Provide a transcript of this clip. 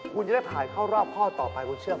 คุณจะได้ผ่านเข้ารอบข้อต่อไปคุณเชื่อง